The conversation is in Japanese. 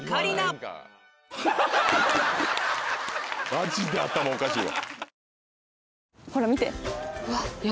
マジで頭おかしいわ。